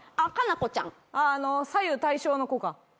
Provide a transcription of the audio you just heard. あの左右対称の子か。